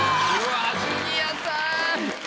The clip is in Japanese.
・ジュニアさん！